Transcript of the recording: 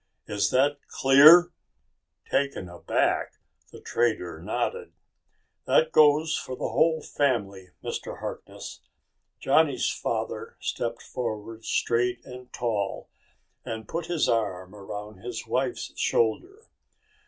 Is that clear?" Taken aback, the trader nodded. "That goes for the whole family, Mr. Harkness." Johnny's father stepped forward straight and tall and put his arm around his wife's shoulder.